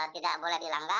tidak boleh dilanggap